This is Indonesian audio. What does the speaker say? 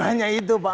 namanya itu pak